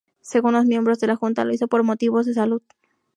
Según los miembros de la junta, lo hizo por motivos de salud.